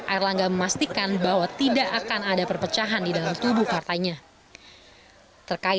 erlangga resmi menggantikan posisi erlangga hartarto sebagai ketua umum golkar